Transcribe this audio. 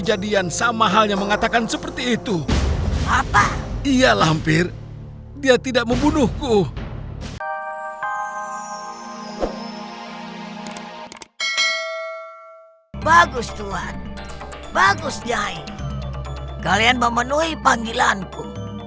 kalian memenuhi panggilanku